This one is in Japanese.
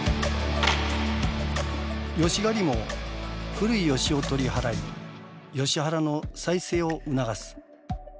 ヨシ刈りも古いヨシを取り払いヨシ原の再生を促す。